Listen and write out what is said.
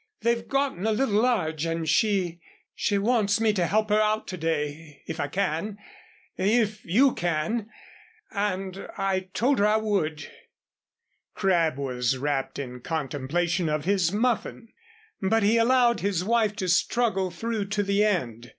They've gotten a little large and she she wants me to help her out to day if I can if you can and I told her I would " Crabb was wrapped in contemplation of his muffin. But he allowed his wife to struggle through to the end.